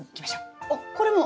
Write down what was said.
あっこれも？